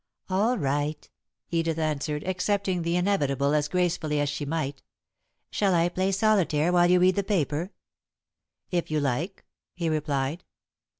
"All right," Edith answered, accepting the inevitable as gracefully as she might. "Shall I play solitaire while you read the paper?" "If you like," he replied.